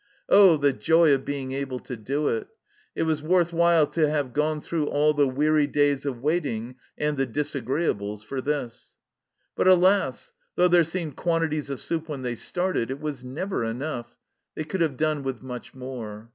Oh, the joy of being able to do it 1 It was worth while to have gone through all the weary days of waiting and the disagreeables for this ! But, alas ! though there seemed quantities of soup when they started, it was never enough they could have done with much more.